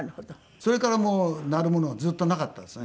それからもうなるものはずっとなかったですね。